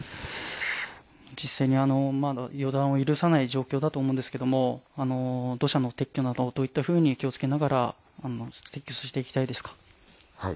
実際に、まだ予断を許さない状況だと思うんですが土砂の撤去など、どういったふうに気を付けながら撤去を進めていきたいですか？